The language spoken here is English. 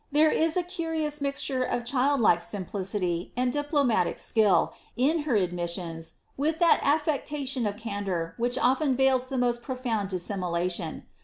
There b a curious mixture of child like simplicity and diplomatic skill, in her admissions, with that affectation of candour which often veils the most Profound dissimulation.